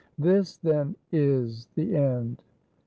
This then is the end.